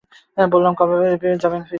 বললাম, কবে যাবেন ফিরে।